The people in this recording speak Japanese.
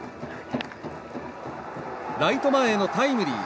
ライト前へのタイムリー。